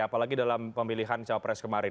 apalagi dalam pemilihan cawapres kemarin